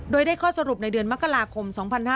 โดยได้ข้อสรุปในเดือนมกราคม๒๕๕๙